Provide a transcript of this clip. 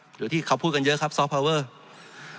จริงโครงการนี้มันเป็นภาพสะท้อนของรัฐบาลชุดนี้ได้เลยนะครับ